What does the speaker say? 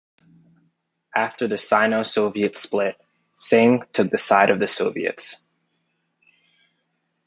After the Sino-Soviet split, Singh took the side of the Soviets.